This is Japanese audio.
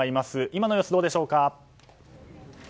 今の様子、どうでしょうか。